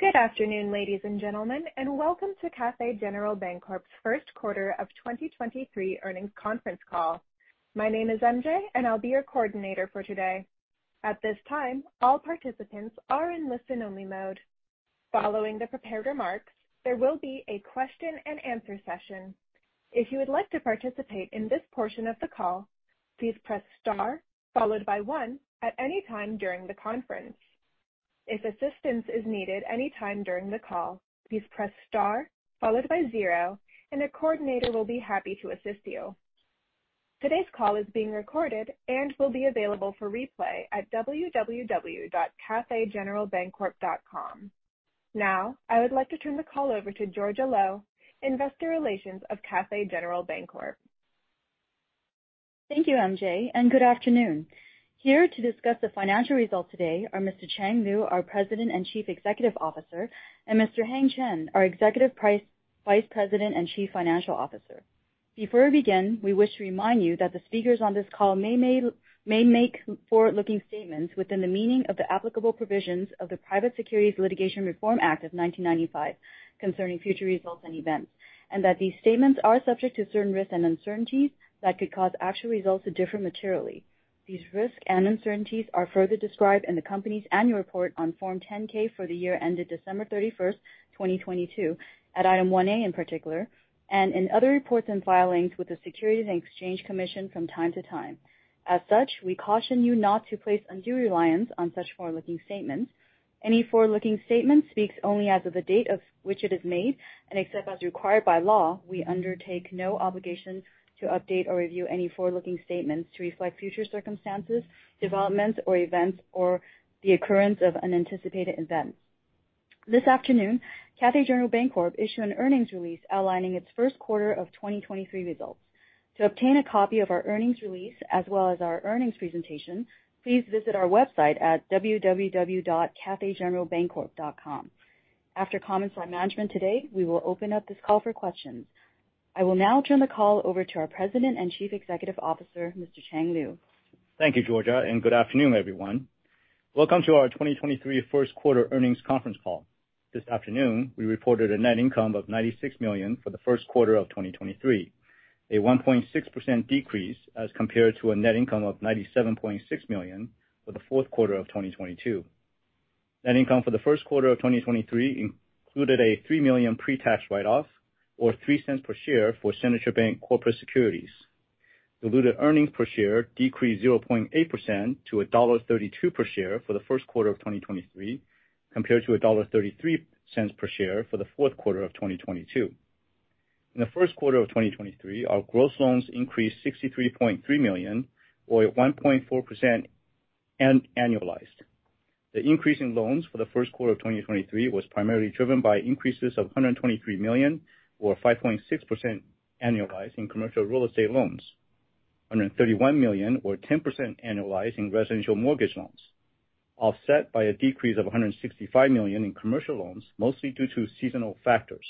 Good afternoon, ladies and gentlemen, and welcome to Cathay General Bancorp's first quarter of 2023 earnings conference call. My name is MJ, and I'll be your coordinator for today. At this time, all participants are in listen-only mode. Following the prepared remarks, there will be a question and answer session. If you would like to participate in this portion of the call, please press star followed by one at any time during the conference. If assistance is needed any time during the call, please press star followed by zero and a coordinator will be happy to assist you. Today's call is being recorded and will be available for replay at www.cathaygeneralbancorp.com. Now, I would like to turn the call over to Georgia Lo, Investor Relations of Cathay General Bancorp. Thank you, MJ, and good afternoon. Here to discuss the financial results today are Mr. Chang Liu, our President and Chief Executive Officer, and Mr. Heng Chen, our Executive Vice President and Chief Financial Officer. Before we begin, we wish to remind you that the speakers on this call may make forward-looking statements within the meaning of the applicable provisions of the Private Securities Litigation Reform Act of 1995 concerning future results and events. These statements are subject to certain risks and uncertainties that could cause actual results to differ materially. These risks and uncertainties are further described in the company's annual report on Form 10-K for the year ended December 31st, 2022, at Item 1A in particular, and in other reports and filings with the Securities and Exchange Commission from time to time. As such, we caution you not to place undue reliance on such forward-looking statements. Any forward-looking statement speaks only as of the date of which it is made, and except as required by law, we undertake no obligations to update or review any forward-looking statements to reflect future circumstances, developments, or events or the occurrence of unanticipated events. This afternoon, Cathay General Bancorp issued an earnings release outlining its first quarter of 2023 results. To obtain a copy of our earnings release as well as our earnings presentation, please visit our website at www.cathaygeneralbancorp.com. After comments from management today, we will open up this call for questions. I will now turn the call over to our President and Chief Executive Officer, Mr. Chang Liu. Thank you, Georgia, good afternoon, everyone. Welcome to our 2023 first quarter earnings conference call. This afternoon, we reported a net income of $96 million for the first quarter of 2023, a 1.6% decrease as compared to a net income of $97.6 million for the fourth quarter of 2022. Net income for the first quarter of 2023 included a $3 million pre-tax write-off or $0.03 per share for Signature Bank Corporate Securities. Diluted earnings per share decreased 0.8% to $1.32 per share for the first quarter of 2023, compared to $1.33 per share for the fourth quarter of 2022. In the first quarter of 2023, our gross loans increased $63.3 million or at 1.4% annualized. The increase in loans for the first quarter of 2023 was primarily driven by increases of $123 million or 5.6% annualized in commercial real estate loans. $131 million or 10% annualized in residential mortgage loans, offset by a decrease of $165 million in commercial loans, mostly due to seasonal factors.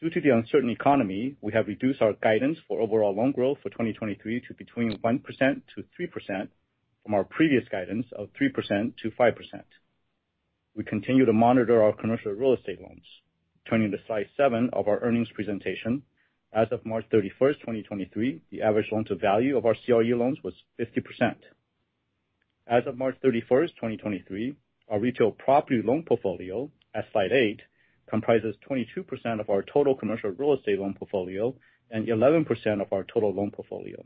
Due to the uncertain economy, we have reduced our guidance for overall loan growth for 2023 to between 1%-3% from our previous guidance of 3%-5%. We continue to monitor our commercial real estate loans. Turning to Slide 7 of our earnings presentation, as of March 31st, 2023, the average loan to value of our CRE loans was 50%. As of March 31st, 2023, our retail property loan portfolio, at Slide 8, comprises 22% of our total commercial real estate loan portfolio and 11% of our total loan portfolio.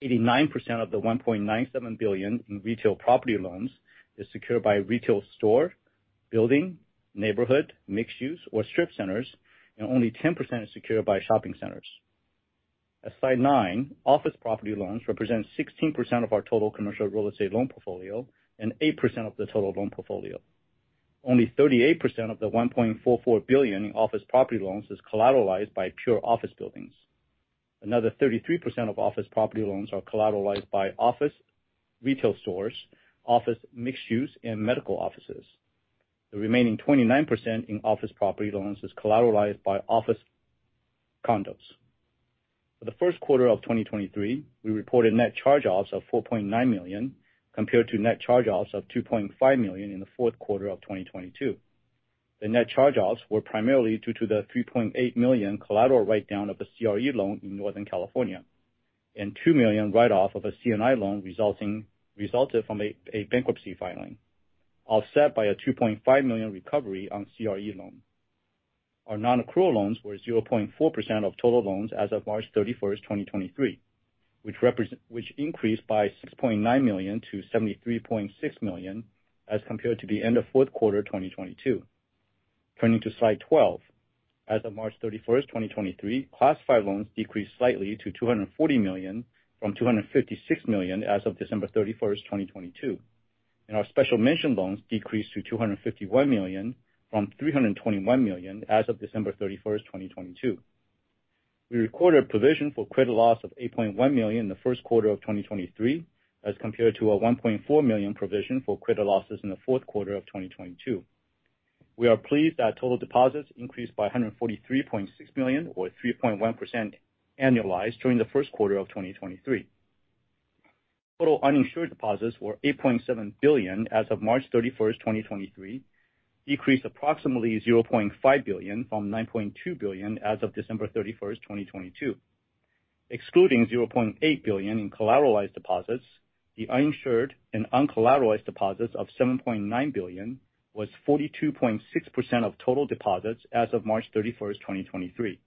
89% of the $1.97 billion in retail property loans is secured by retail store, building, neighborhood, mixed use or strip centers, and only 10% is secured by shopping centers. At Slide 9, office property loans represent 16% of our total commercial real estate loan portfolio and 8% of the total loan portfolio. Only 38% of the $1.44 billion in office property loans is collateralized by pure office buildings. Another 33% of office property loans are collateralized by office retail stores, office mixed use, and medical offices. The remaining 29% in office property loans is collateralized by office condos. For the first quarter of 2023, we reported net charge-offs of $4.9 million compared to net charge-offs of $2.5 million in the fourth quarter of 2022. The net charge-offs were primarily due to the $3.8 million collateral write-down of a CRE loan in Northern California and $2 million write-off of a CNI loan resulted from a bankruptcy filing, offset by a $2.5 million recovery on CRE loan. Our non-accrual loans were 0.4% of total loans as of March 31st, 2023, which increased by $6.9 million to $73.6 million as compared to the end of fourth quarter 2022. Turning to Slide 12. As of March 31st, 2023, classified loans decreased slightly to $240 million from $256 million as of December 31st, 2022. Our special mention loans decreased to $251 million from $321 million as of December 31st, 2022. We recorded a provision for credit loss of $8.1 million in the first quarter of 2023 as compared to a $1.4 million provision for credit losses in the fourth quarter of 2022. We are pleased that total deposits increased by $143.6 million or 3.1% annualized during the first quarter of 2023. Total uninsured deposits were $8.7 billion as of March 31st, 2023, decreased approximately $0.5 billion from $9.2 billion as of December 31st, 2022. Excluding $0.8 billion in collateralized deposits, the uninsured and uncollateralized deposits of $7.9 billion was 42.6% of total deposits as of March 31st, 2023.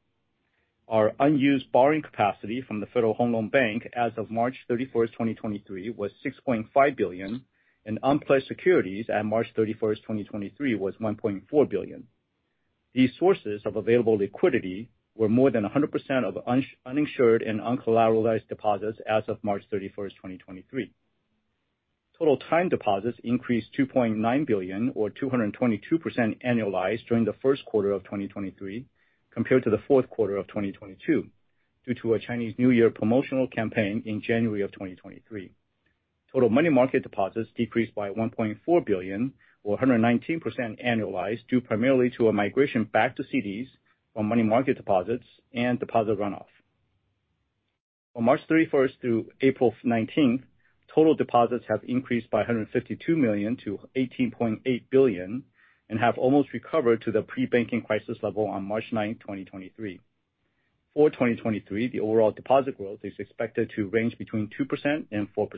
Our unused borrowing capacity from the Federal Home Loan Bank as of March 31st, 2023 was $6.5 billion, and unpledged securities at March 31st, 2023 was $1.4 billion. These sources of available liquidity were more than 100% of uninsured and uncollateralized deposits as of March 31st, 2023. Total time deposits increased $2.9 billion or 222% annualized during the first quarter of 2023 compared to the fourth quarter of 2022 due to a Chinese New Year promotional campaign in January of 2023. Total money market deposits decreased by $1.4 billion or 119% annualized, due primarily to a migration back to CDs from money market deposits and deposit runoff. On March 31st through April 19th, total deposits have increased by $152 million to $18.8 billion and have almost recovered to the pre-banking crisis level on March 9th, 2023. For 2023, the overall deposit growth is expected to range between 2% and 4%.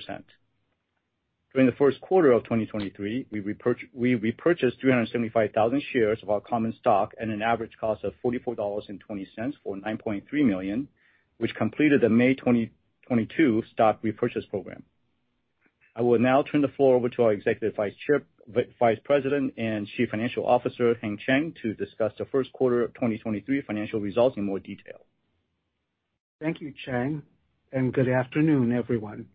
During the first quarter of 2023, we repurchased 375,000 shares of our common stock at an average cost of $44.20, or $9.3 million, which completed the May 2022 stock repurchase program. I will now turn the floor over to our Executive Vice President and Chief Financial Officer, Heng Chen, to discuss the first quarter of 2023 financial results in more detail. Thank you, Chang. Good afternoon, everyone.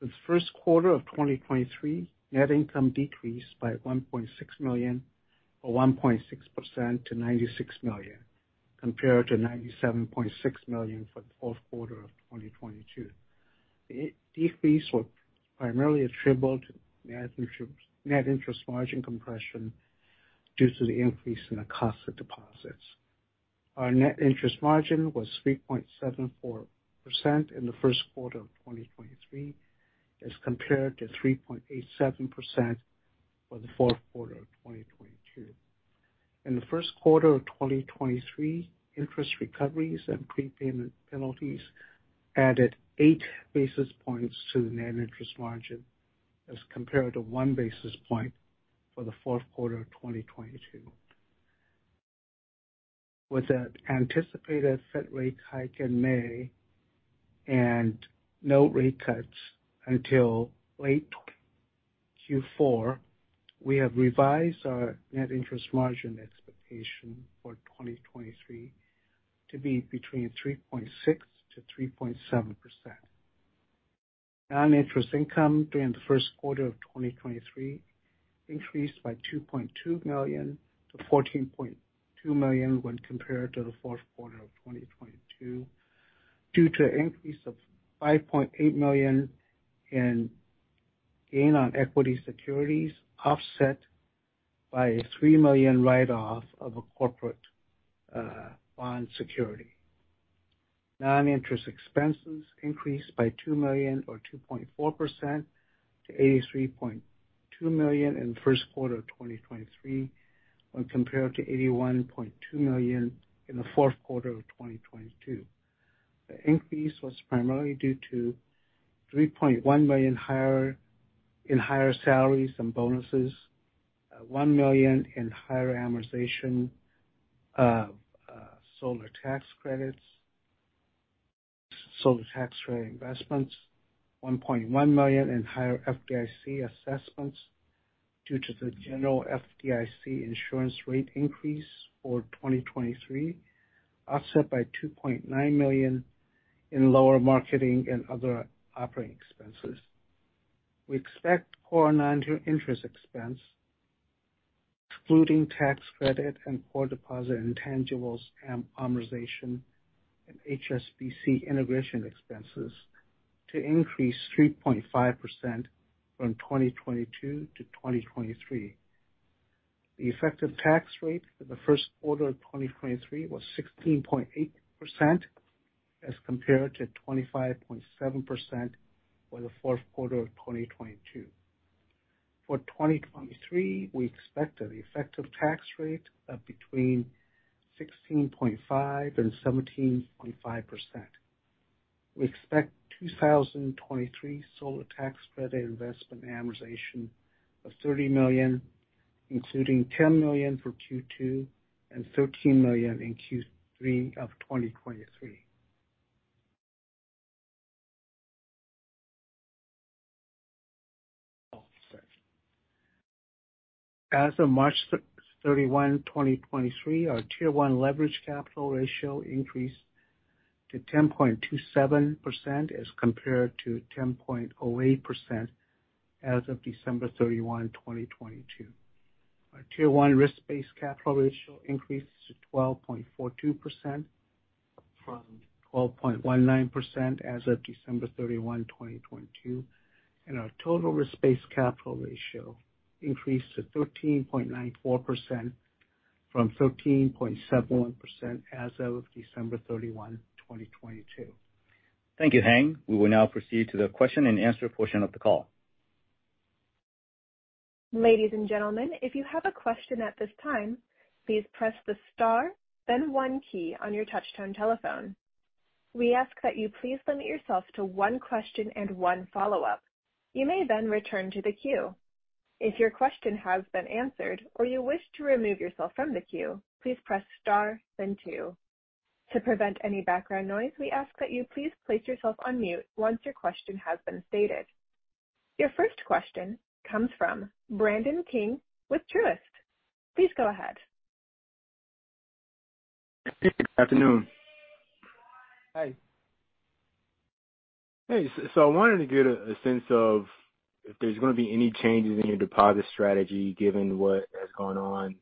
The first quarter of 2023, net income decreased by $1.6 million, or 1.6% to $96 million, compared to $97.6 million for the fourth quarter of 2022. It decrease were primarily attributable to net interest margin compression due to the increase in the cost of deposits. Our net interest margin was 3.74% in the first quarter of 2023, as compared to 3.87% for the fourth quarter of 2022. In the first quarter of 2023, interest recoveries and prepayment penalties added 8 basis points to the net interest margin, as compared to 1 basis point for the fourth quarter of 2022. With the anticipated Fed rate hike in May and no rate cuts until late Q4, we have revised our net interest margin expectation for 2023 to be between 3.6%-3.7%. Non-interest income during the first quarter of 2023 increased by $2.2 million to $14.2 million when compared to the fourth quarter of 2022 due to an increase of $5.8 million in gain on equity securities, offset by a $3 million write-off of a corporate bond security. Non-interest expenses increased by $2 million or 2.4% to $83.2 million in the first quarter of 2023, when compared to $81.2 million in the fourth quarter of 2022. The increase was primarily due to $3.1 million in higher salaries and bonuses, $1 million in higher amortization of solar tax credits, solar tax credit investments, $1.1 million in higher FDIC assessments due to the general FDIC insurance rate increase for 2023, offset by $2.9 million in lower marketing and other operating expenses. We expect core non-interest expense, excluding tax credit and core deposit intangibles amortization and HSBC integration expenses to increase 3.5% from 2022 to 2023. The effective tax rate for the first quarter of 2023 was 16.8% as compared to 25.7% for the fourth quarter of 2022. For 2023, we expect an effective tax rate of between 16.5% and 17.5%. We expect 2023 solar tax credit investment amortization of $30 million, including $10 million for Q2 and $13 million in Q3 of 2023. As of March 31, 2023, our Tier 1 leverage capital ratio increased to 10.27% as compared to 10.08% as of December 31, 2022. Our Tier 1 risk-based capital ratio increased to 12.42% from 12.19% as of December 31, 2022, and our Total risk-based capital ratio increased to 13.94% from 13.71% as of December 31, 2022. Thank you, Heng. We will now proceed to the question and answer portion of the call. Ladies and gentlemen, if you have a question at this time, please press the star then one key on your touchtone telephone. We ask that you please limit yourself to one question and one follow-up. You may then return to the queue. If your question has been answered or you wish to remove yourself from the queue, please press star then two. To prevent any background noise, we ask that you please place yourself on mute once your question has been stated. Your first question comes from Brandon King with Truist. Please go ahead. Good afternoon. Hi. Hey, so I wanted to get a sense of if there's gonna be any changes in your deposit strategy given what has gone on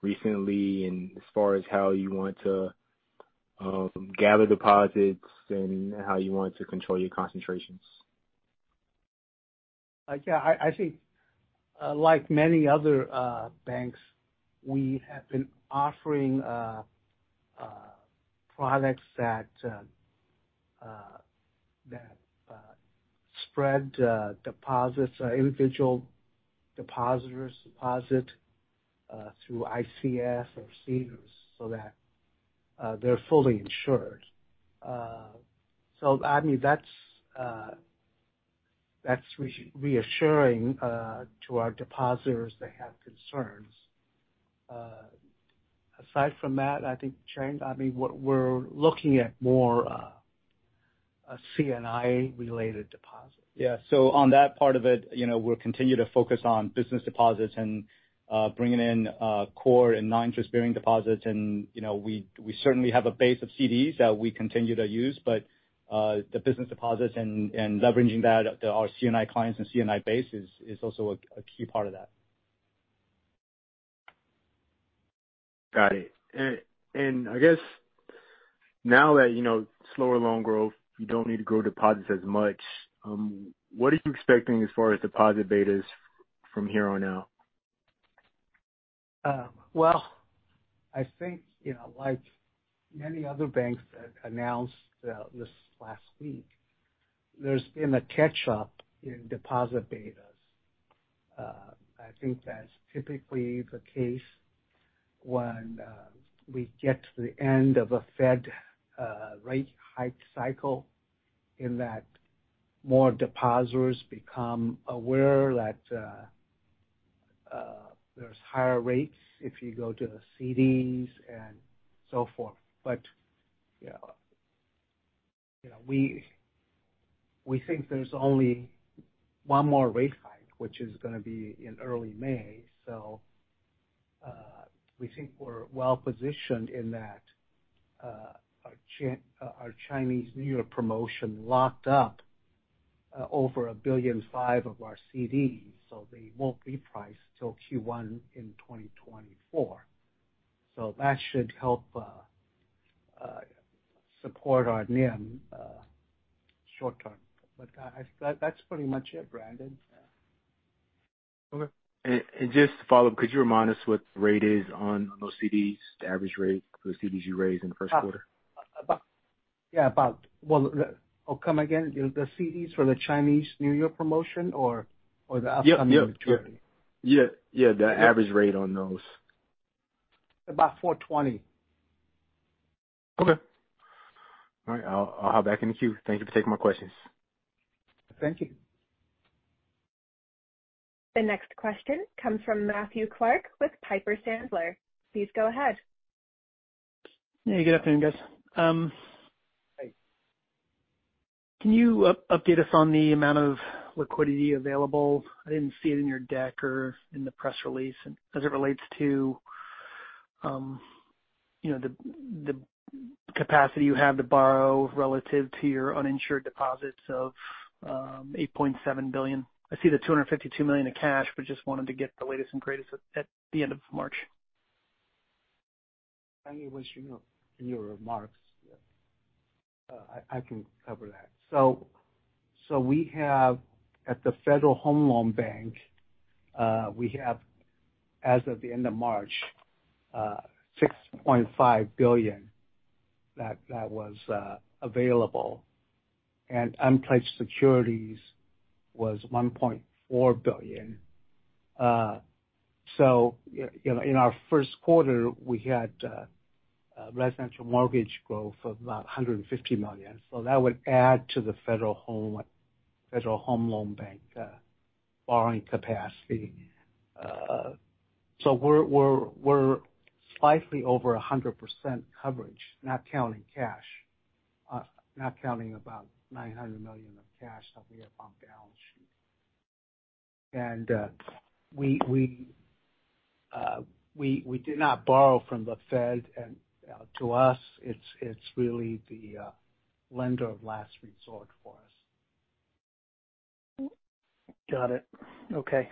recently and as far as how you want to gather deposits and how you want to control your concentrations. I think, like many other banks, we have been offering products that spread deposits or individual depositors deposit through ICS or CDs so that they're fully insured. I mean, that's reassuring to our depositors that have concerns. Aside from that, I mean, what we're looking at more, a CNI related deposit. Yeah. On that part of it, you know, we'll continue to focus on business deposits and, bringing in, core and non-interest-bearing deposits and, you know, we certainly have a base of CDs that we continue to use but, the business deposits and leveraging that to our CNI clients and CNI base is also a key part of that. Got it. I guess now that you know slower loan growth, you don't need to grow deposits as much, what are you expecting as far as deposit betas from here on out? Well, I think, you know, like many other banks that announced this last week, there's been a catch up in deposit betas. I think that's typically the case when we get to the end of a Fed rate hike cycle in that more depositors become aware that there's higher rates if you go to the CDs and so forth. Yeah, you know, we think there's only one more rate hike, which is gonna be in early May. We think we're well positioned in that. Our Chinese New Year promotion locked up over $1.5 billion of our CDs, so they won't reprice till Q1 in 2024. That should help support our NIM short term. That's pretty much it, Brandon. Yeah. Okay. Just to follow up, could you remind us what the rate is on those CDs, the average rate for the CDs you raised in the first quarter? Well, come again, the CDs for the Chinese New Year promotion or the upcoming maturity? Yeah. Yeah. The average rate on those. About $420. Okay. All right. I'll hop back in the queue. Thank you for taking my questions. Thank you. The next question comes from Matthew Clark with Piper Sandler. Please go ahead. Yeah, good afternoon, guys. Hi. Can you update us on the amount of liquidity available? I didn't see it in your deck or in the press release. As it relates to, you know, the capacity you have to borrow relative to your uninsured deposits of $8.7 billion. I see the $252 million in cash, just wanted to get the latest and greatest at the end of March. I mean, it was, you know, in your remarks. Yeah. I can cover that. We have at the Federal Home Loan Bank, we have as of the end of March, $6.5 billion that was available, and unpledged securities was $1.4 billion. You know, in our first quarter we had residential mortgage growth of about $150 million. That would add to the Federal Home Loan Bank borrowing capacity. We're slightly over 100% coverage, not counting cash, not counting about $900 million of cash that we have on balance sheet. We did not borrow from the Fed. To us, it's really the lender of last resort for us. Got it. Okay.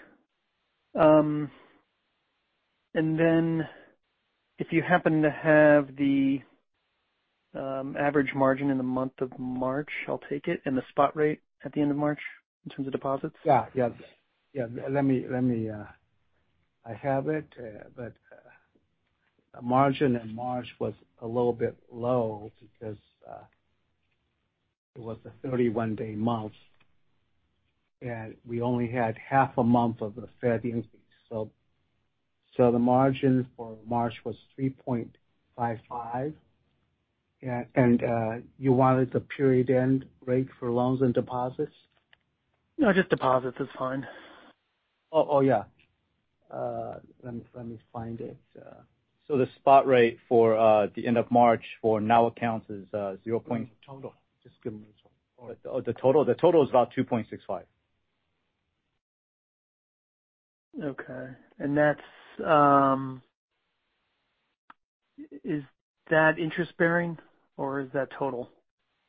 If you happen to have the average margin in the month of March, I'll take it, and the spot rate at the end of March in terms of deposits. Yeah. Yes. Yeah, let me I have it, but margin in March was a little bit low because it was a 31-day month, and we only had half a month of the Fed increase. The margin for March was 3.55%. Yeah, you wanted the period-end rate for loans and deposits? No, just deposits is fine. Oh. Oh, yeah. Let me find it. The spot rate for the end of March for now accounts is zero point-. Total. Just give me total. Oh, the total? The total is about 2.65. Okay. Is that interest-bearing or is that total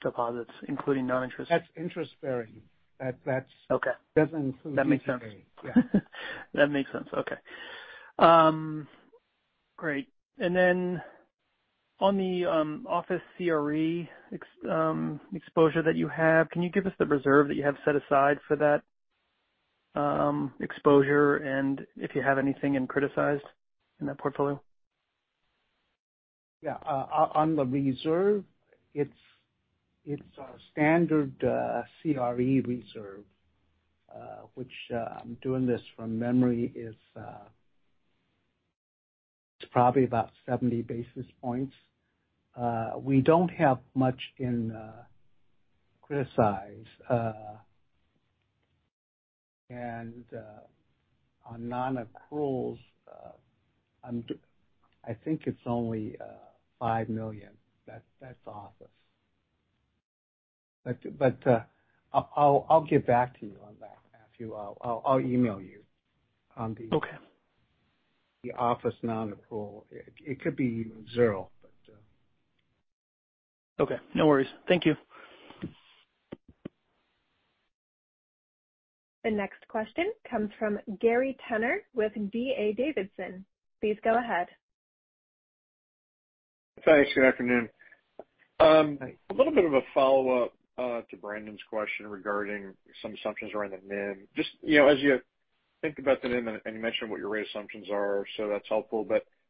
deposits including non-interest? That's interest-bearing. Okay. That's inclusive. That makes sense. Yeah. That makes sense. Okay. Great. On the office CRE exposure that you have, can you give us the reserve that you have set aside for that exposure and if you have anything in criticized in that portfolio? Yeah. On the reserve, it's a standard CRE reserve, which I'm doing this from memory is, it's probably about 70 basis points. We don't have much in criticized. On non-accruals, I think it's only $5 million. That's office. I'll get back to you on that, Matthew. I'll email you on the- Okay. The office non-accrual. It could be zero, but. Okay, no worries. Thank you. The next question comes from Gary Tenner with D.A. Davidson. Please go ahead. Thanks. Good afternoon. Hi. A little bit of a follow-up to Brandon's question regarding some assumptions around the NIM. Just, you know, as you think about the NIM, and you mentioned what your rate assumptions are, so that's helpful.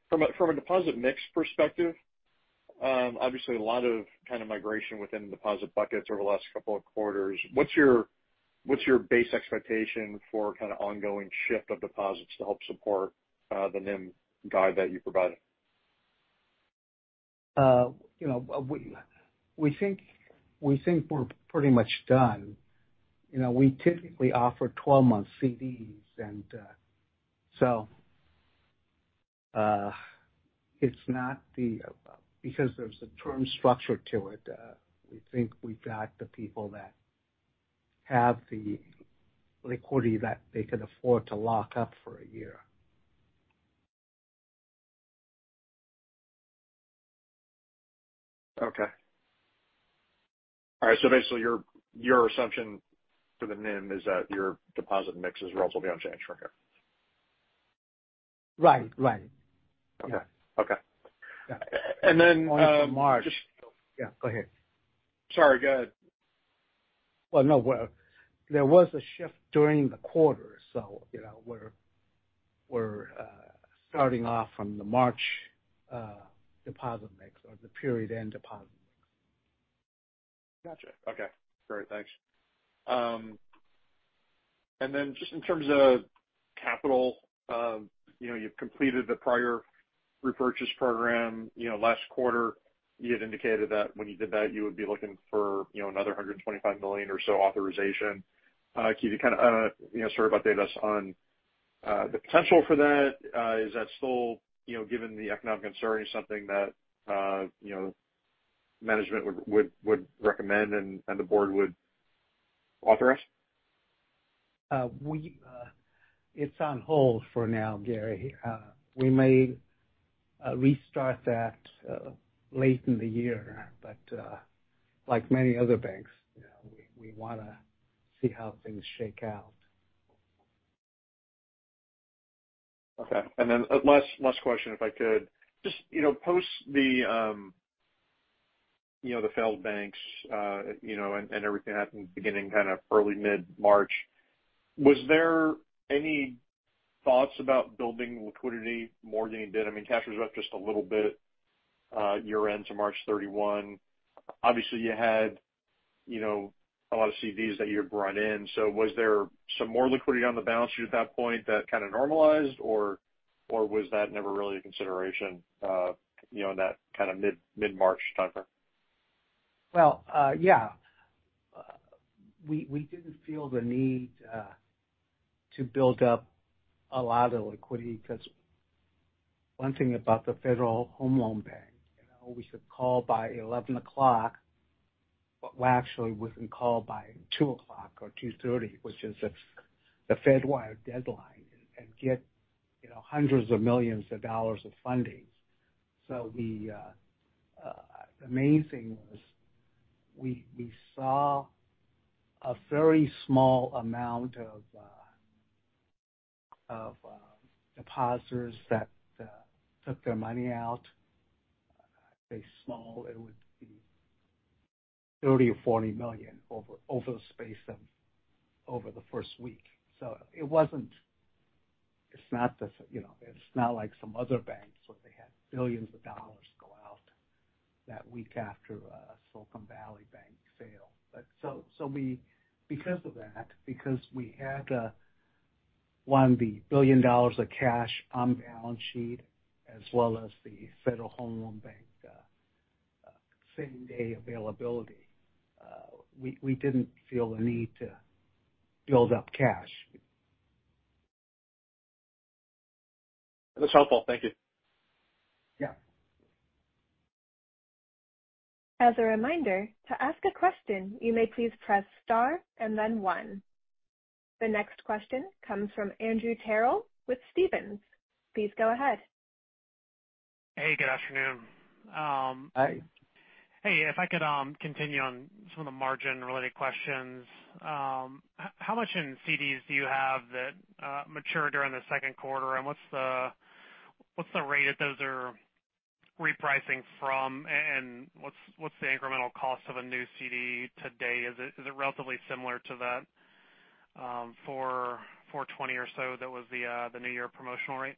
From a deposit mix perspective, obviously a lot of, kind of, migration within deposit buckets over the last couple of quarters. What's your base expectation for kinda ongoing shift of deposits to help support the NIM guide that you provided? You know, we think we're pretty much done. You know, we typically offer 12-month CDs and, because there's a term structure to it, we think we've got the people that have the liquidity that they could afford to lock up for a year. Basically your assumption for the NIM is that your deposit mix is relatively unchanged from here. Right. Right. Okay. Okay. Yeah. A-and then, um- Going to March. Just- Yeah, go ahead. Sorry, go ahead. No. There was a shift during the quarter, you know, we're starting off from the March deposit mix or the period-end deposit mix. Gotcha. Okay. Great. Thanks. Just in terms of capital, you know, you've completed the prior repurchase program. You know, last quarter, you had indicated that when you did that, you would be looking for, you know, another $125 million or so authorization. Can you kinda, you know, sort of update us on the potential for that? Is that still, you know, given the economic uncertainty, something that, you know, management would recommend and the board would authorize? It's on hold for now, Gary. We may restart that late in the year, but like many other banks, you know, we wanna see how things shake out. Okay. Last question, if I could. Just, you know, post the, you know, the failed banks, you know, and everything happening beginning kinda early mid-March, was there any thoughts about building liquidity more than you did? I mean, cash was up just a little bit, year-end to March 31. Obviously you had, you know, a lot of CDs that you had brought in, so was there some more liquidity on the balance sheet at that point that kinda normalized, or was that never really a consideration, you know, in that kinda mid-March timeframe? Yeah. We, we didn't feel the need to build up a lot of liquidity because one thing about the Federal Home Loan Bank, you know, we should call by 11:00, but we actually wasn't called by 2:00 or 2:30, which is the FedWire deadline, and get, you know, hundreds of millions of dollars of fundings. Amazing was we saw a very small amount of depositors that took their money out, pretty small. It would be $30 million-$40 million over the first week. It wasn't, it's not the, you know, it's not like some other banks where they had billions of dollars go out that week after Silicon Valley Bank failed. We because of that, because we had, one, the $1 billion of cash on balance sheet as well as the Federal Home Loan Bank, same day availability, we didn't feel the need to build up cash. That's helpful. Thank you. Yeah. As a reminder, to ask a question, you may please press star and then one. The next question comes from Andrew Terrell with Stephens. Please go ahead. Hey, good afternoon. Hi. Hey. If I could, continue on some of the margin-related questions. How much in CDs do you have that mature during the second quarter? What's the rate that those are repricing from? What's the incremental cost of a new CD today? Is it relatively similar to that 4.20% or so that was the New Year promotional rate?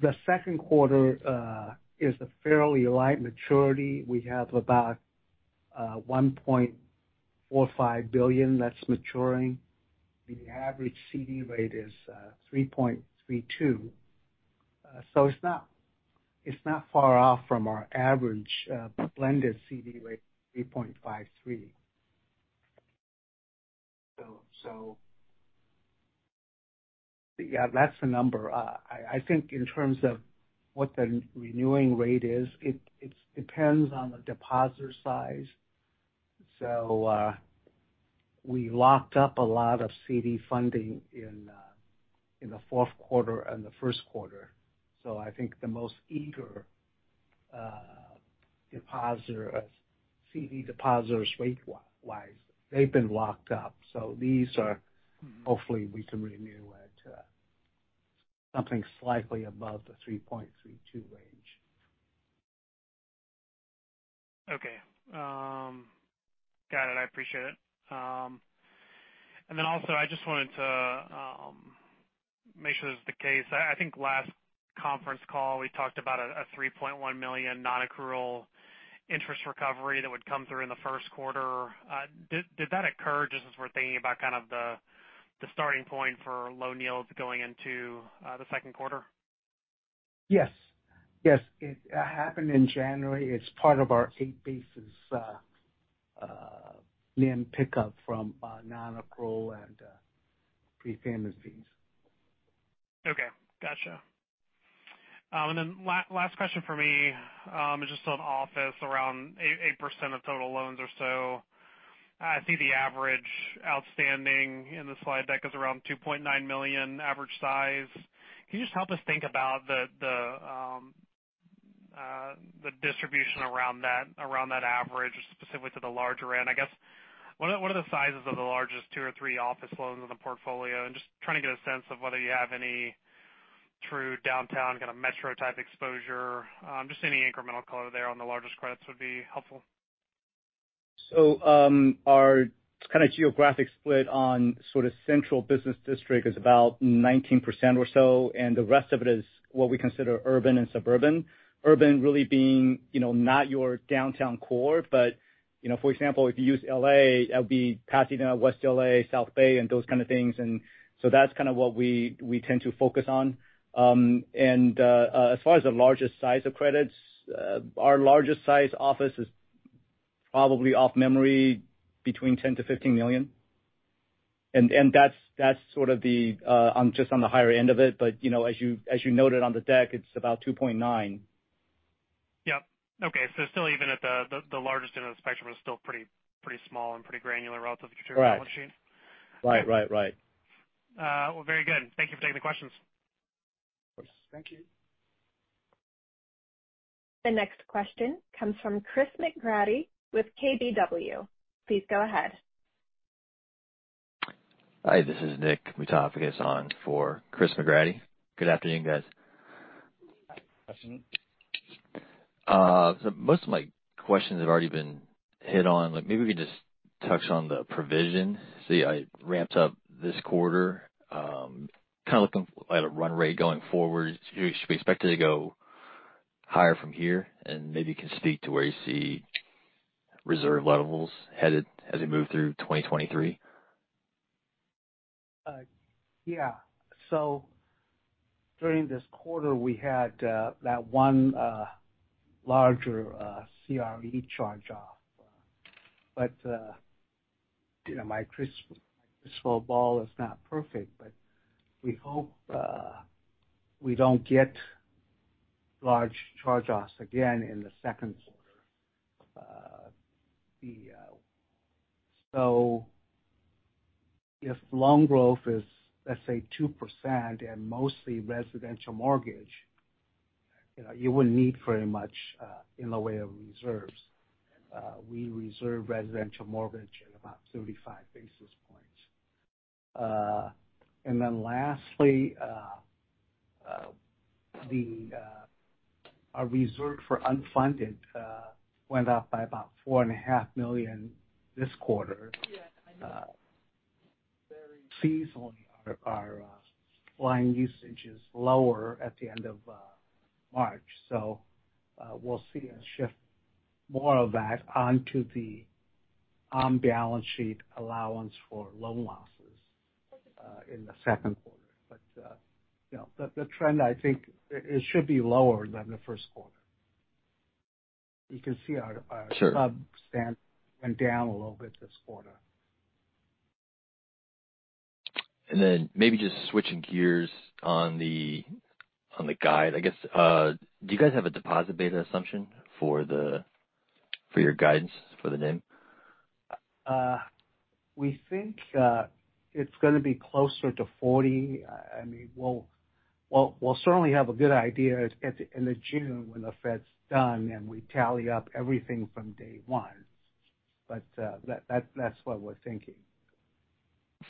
The second quarter is a fairly light maturity. We have about $1.45 billion that's maturing. The average CD rate is 3.32%. It's not far off from our average blended CD rate, 3.53%. That's the number. I think in terms of what the renewing rate is, it depends on the depositor size. We locked up a lot of CD funding in the fourth quarter and the first quarter. I think the most eager depositor CD depositors rate-wise, they've been locked up. These are hopefully we can renew at something slightly above the 3.32% range. Got it. I appreciate it. I just wanted to make sure this is the case. I think last conference call we talked about a $3.1 million non-accrual interest recovery that would come through in the first quarter. Did that occur just as we're thinking about kind of the starting point for low yields going into the second quarter? Yes. Yes, it happened in January. It's part of our 8 basis NIM pickup from non-accrual and pre-payment fees. Okay. Gotcha. Last question for me, is just on office around 8% of total loans or so. I see the average outstanding in the slide deck is around $2.9 million average size. Can you just help us think about the distribution around that average, specifically to the larger end? I guess, what are the sizes of the largest two or three office loans in the portfolio? And just trying to get a sense of whether you have any true downtown kind of metro type exposure. Just any incremental color there on the largest credits would be helpful. Our kind of geographic split on sort of central business district is about 19% or so, and the rest of it is what we consider urban and suburban. Urban really being, you know, not your downtown core, but you know, for example, if you use L.A., that would be Pasadena, West L.A., South Bay and those kind of things. That's kind of what we tend to focus on. As far as the largest size of credits, our largest size office is probably off memory between $10 million-$15 million. And that's sort of the on just on the higher end of it. You know, as you noted on the deck, it's about 2.9. Yep. Okay. Still even at the largest end of the spectrum is still pretty small and pretty granular relative to your balance sheet. Right. Right, right. Well, very good. Thank you for taking the questions. Thank you. The next question comes from Christopher McGratty with KBW. Please go ahead. Hi, this is Nick Moutafakis on for Christopher McGratty. Good afternoon, guys. Afternoon. Most of my questions have already been hit on. Like, maybe we can just touch on the provision. See how it ramps up this quarter, kind of looking at a run rate going forward. Should we expect it to go higher from here? Maybe you can speak to where you see reserve levels headed as we move through 2023. Yeah. During this quarter we had that one larger CRE charge-off. You know, my crystal ball is not perfect, but we hope we don't get large charge-offs again in the second quarter. If loan growth is, let's say 2% and mostly residential mortgage. You know, you wouldn't need very much in the way of reserves. We reserve residential mortgage at about 35 basis points. Lastly, our reserve for unfunded went up by about $4.5 million this quarter. Seasonally our loan usage is lower at the end of March. We'll see a shift more of that onto the on-balance sheet allowance for loan losses in the second quarter. You know, the trend I think it should be lower than the first quarter. You can see. Sure. Sub-stand went down a little bit this quarter. Maybe just switching gears on the, on the guide, I guess. Do you guys have a deposit beta assumption for your guidance for the NIM? We think it's gonna be closer to 40. I mean, we'll certainly have a good idea at the end of June when the Fed's done and we tally up everything from day one. That's what we're thinking.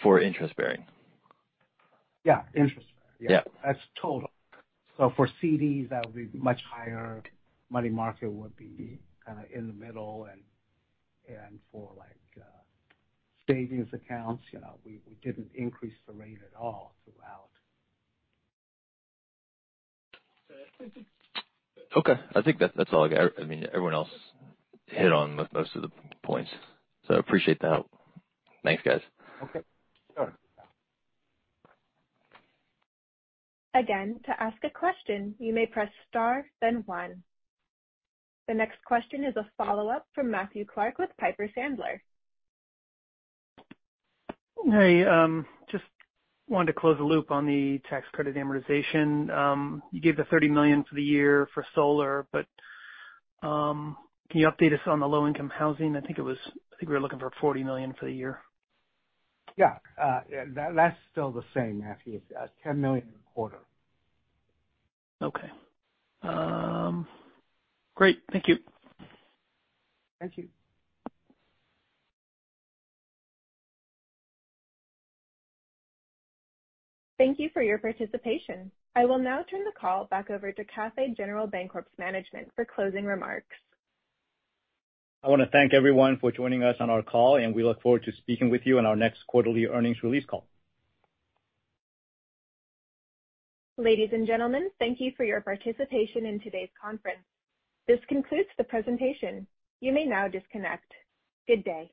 For interest bearing. Yeah, interest bearing. Yeah. That's total. For CDs, that would be much higher. Money market would be kind of in the middle. For like savings accounts, you know, we didn't increase the rate at all throughout. Okay. I think that's all I got. I mean, everyone else hit on most of the points. I appreciate that. Thanks, guys. Okay. Sure. Again, to ask a question, you may press star, then one. The next question is a follow-up from Matthew Clark with Piper Sandler. Hey. Just wanted to close the loop on the tax credit amortization. You gave the $30 million for the year for solar, can you update us on the low income housing? I think we were looking for $40 million for the year. Yeah. Yeah. That's still the same, Matthew. It's $10 million a quarter. Okay. great. Thank you. Thank you. Thank you for your participation. I will now turn the call back over to Cathay General Bancorp's management for closing remarks. I wanna thank everyone for joining us on our call, and we look forward to speaking with you on our next quarterly earnings release call. Ladies and gentlemen, thank you for your participation in today's conference. This concludes the presentation. You may now disconnect. Good day.